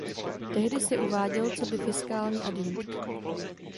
Tehdy se uváděl coby fiskální adjunkt.